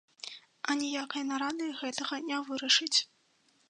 Аніякай нарадай гэтага не вырашыць.